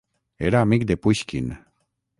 Era amic de Puixkin.